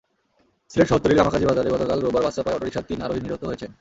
সিলেট শহরতলির লামাকাজি বাজারে গতকাল রোববার বাসচাপায় অটোরিকশার তিন আরোহী নিহত হয়েছেন।